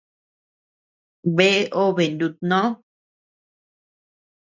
Bea obe nutnó.